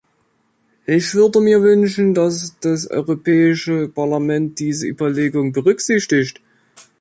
Ich würde mir wünschen, dass das Europäische Parlament diese Überlegungen berücksichtigt.